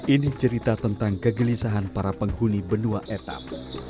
ini cerita tentang kegelisahan para penghuni benua etab